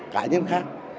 cá nhân khác